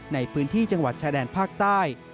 ในพื้นที่จังหวัดชายแดนภาคใต้